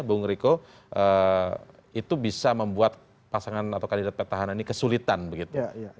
bung riko itu bisa membuat pasangan atau kandidat petahana ini kesulitan begitu